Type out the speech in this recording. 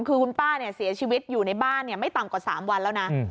คือคุณป้าเสียชีวิตอยู่ในบ้านไม่ต่ำกว่า๓วันแล้วนะ